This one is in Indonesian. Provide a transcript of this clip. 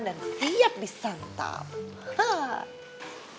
dan siap disantap